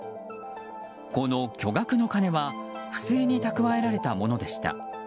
この巨額の金は不正に蓄えられたものでした。